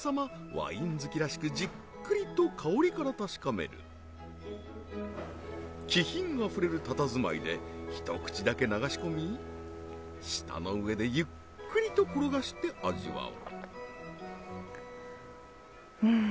ワイン好きらしくじっくりと香りから確かめる気品あふれるたたずまいで１口だけ流し込み舌の上でゆっくりと転がして味わう